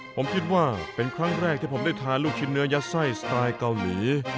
ผมคิดว่าเป็นครั้งแรกที่ผมได้ทานลูกชิ้นเนื้อยัดไส้สไตล์เกาหลี